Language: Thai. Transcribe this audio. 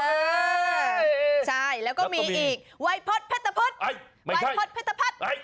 เออใช่แล้วก็มีอีกวัยพจน์เพชรภัทรไม่ใช่วัยพจน์เพชรภัทร